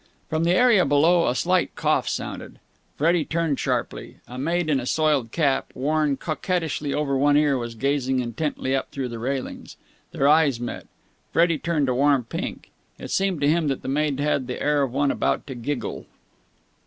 From the area below a slight cough sounded. Freddie turned sharply. A maid in a soiled cap, worn coquettishly over one ear, was gazing intently up through the railings. Their eyes met. Freddie turned a warm pink. It seemed to him that the maid had the air of one about to giggle.